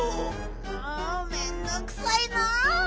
もうめんどくさいなあ！